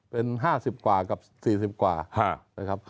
เป็น๕๐กว่ากับ๔๐กว่า